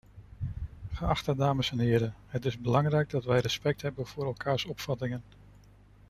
Geachte dames en heren, het is belangrijk dat wij respect hebben voor elkaars opvattingen.